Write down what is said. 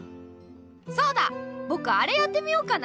そうだぼくアレやってみようかな。